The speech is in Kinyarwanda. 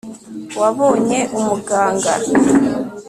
wabonye umuganga